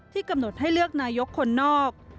กำหนดให้เลือกนายกคนนอก